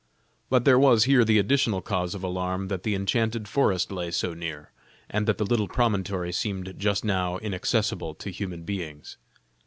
But there was here the additional cause of alarm that the enchanted forest lay so near, and that the little promontory seemed just now inaccessible to human beings.